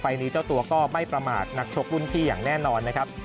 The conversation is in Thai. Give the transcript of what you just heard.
นี้เจ้าตัวก็ไม่ประมาทนักชกรุ่นพี่อย่างแน่นอนนะครับ